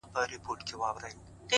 د زنده باد د مردباد په هديره كي پراته;